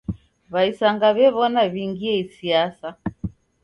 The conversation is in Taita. W'aisanga w'ew'ona w'ingie siasa.